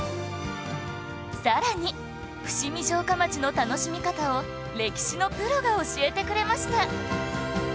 さらに伏見城下町の楽しみ方を歴史のプロが教えてくれました